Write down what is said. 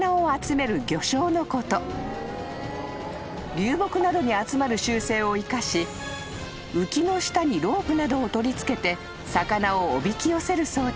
［流木などに集まる習性を生かし浮きの下にロープなどを取り付けて魚をおびき寄せる装置］